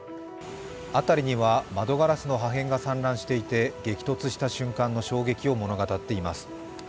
辺りには窓ガラスの破片が散乱していて激突した瞬間の衝撃を物語っています。